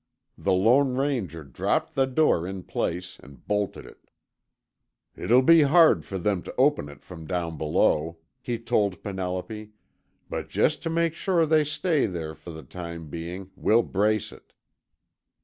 The Lone Ranger dropped the door in place and bolted it. "It'll be hard for them to open it from down below," he told Penelope, "but just to make sure they stay there for the time being, we'll brace it."